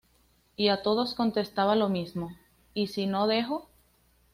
Y a todos contestaba lo mismo: "¿Y si no dejo?".